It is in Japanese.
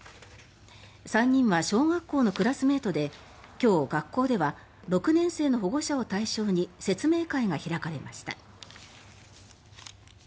３人は小学校のクラスメートで今日、学校では６年生の保護者を対象に説明会が開かれました。